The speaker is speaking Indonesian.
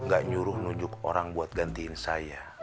gak nyuruh nunjuk orang buat gantiin saya